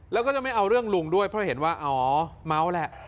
แล้วก็จะไม่เอาเรื่องลุงด้วยเพราะเห็นว่าอ๋อเมาแหละ